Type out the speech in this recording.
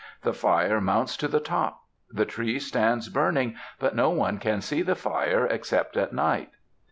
The fire mounts to the top. The tree stands burning, but no one can see the fire except at night."